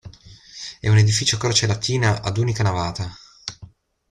È un edificio a croce latina ad unica navata.